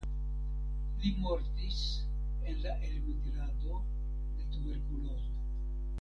Li mortis en la elmigrado de tuberkulozo.